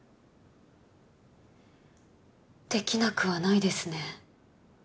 できなくはないですね。